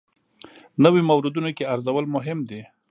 نویو موردونو کې ارزول مهم دي.